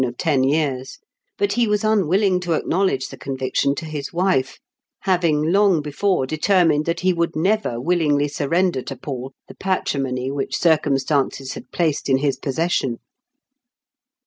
of ten years ; but he was unwilling to acknow ledge the conviction to his wife, having long before determined that he would never willingly surrender to Paul the patrimony which circumstances had placed in his possession.